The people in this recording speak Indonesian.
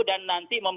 dan nanti memberikan